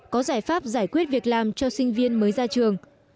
có giải pháp giải quyết việc làm cho sinh viên mới ra trường